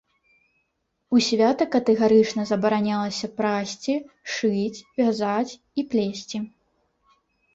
У свята катэгарычна забаранялася прасці, шыць, вязаць і плесці.